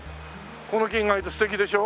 この木意外と素敵でしょ？